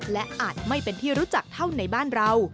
และอาจไม่เป็นที่รู้จักเท่าในบ้านเรา